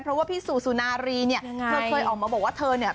เพราะว่าพี่สู่สุนารีเนี่ยเธอเคยออกมาบอกว่าเธอเนี่ย